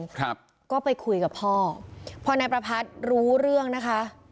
ครับก็ไปคุยกับพ่อพอนายประพัทธ์รู้เรื่องนะคะ